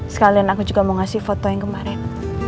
sekalian aku juga mau ngasih foto yang kemarin